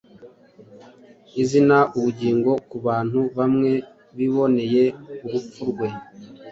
izana ubugingo ku bantu bamwe biboneye urupfu rwe.